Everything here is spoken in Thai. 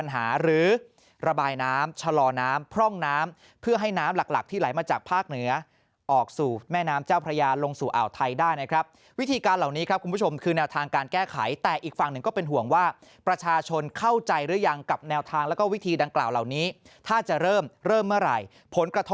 หรือระบายน้ำชะลอน้ำพร่องน้ำเพื่อให้น้ำหลักหลักที่ไหลมาจากภาคเหนือออกสู่แม่น้ำเจ้าพระยาลงสู่อ่าวไทยได้นะครับวิธีการเหล่านี้ครับคุณผู้ชมคือแนวทางการแก้ไขแต่อีกฝั่งหนึ่งก็เป็นห่วงว่าประชาชนเข้าใจหรือยังกับแนวทางแล้วก็วิธีดังกล่าวเหล่านี้ถ้าจะเริ่มเริ่มเมื่อไหร่ผลกระทบ